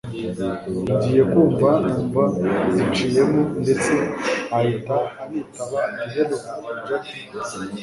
ngiye kumva numva ziciyemo ndetse ahita anitaba ati hello! jack